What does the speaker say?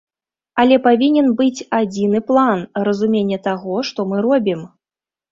Але павінен быць адзіны план, разуменне таго, што мы робім.